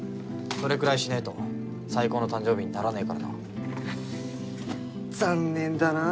それくらいしないと最高の誕生日にならないからな残念だな